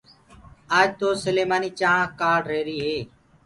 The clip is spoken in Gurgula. آج تو سليمآني چآنه ڪآڙهري هي